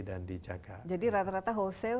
dan dijaga jadi rata rata wholesale